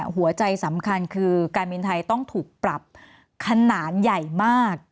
หัวใจสำคัญคือการบินไทยต้องถูกปรับขนาดใหญ่มาก